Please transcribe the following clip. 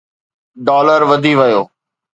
dollar وڌي ويو